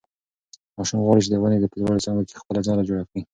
ماشوم غواړي چې د ونې په لوړو څانګو کې خپله ځاله جوړه کړي.